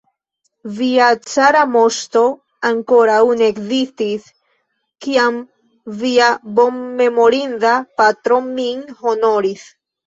Via cara moŝto ankoraŭ ne ekzistis, kiam via bonmemorinda patro min honoris.